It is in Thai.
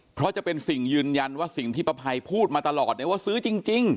เพราะจะเป็นสิ่งยืนยันว่าสิ่งที่ป้าภัยพูดมาตลอดเนี่ยว่าซื้อจริง